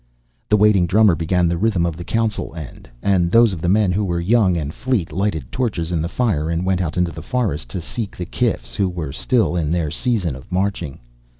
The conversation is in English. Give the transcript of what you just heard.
The waiting drummer began the rhythm of the council end, and those of the men who were young and fleet lighted torches in the fire and went out into the forest to seek the kifs, who were still in their season of marching.